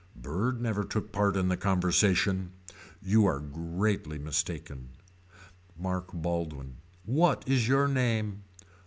Bird never took part in the conversation. You are greatly mistaken. Mark Baldwin. What is your name.